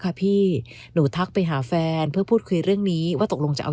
ค่ะพี่หนูทักไปหาแฟนเพื่อพูดคุยเรื่องนี้ว่าตกลงจะเอา